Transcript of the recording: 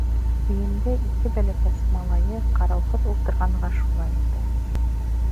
Өйөндә ике бәләкәс малайы ҡарауһыҙ ултырғанға шулай итә.